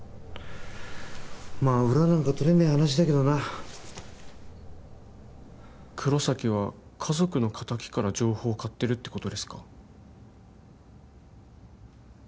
まあ裏なんか取れねえ話だけどな黒崎は家族の敵から情報を買ってるってことですか？